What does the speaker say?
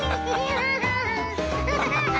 ハハハハ！